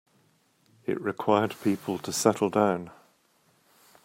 It required people to settle down.